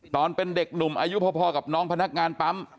ตอนเป็นเด็กหนุ่มอายุพอกับน้องพนักงานปั๊ม